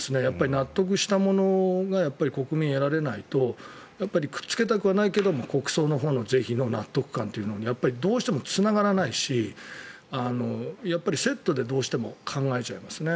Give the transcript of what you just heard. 納得したものが国民、得られないとくっつけたくはないけど国葬のほうの是非の納得感というのはつながらないしやっぱりセットでどうしても考えちゃいますね。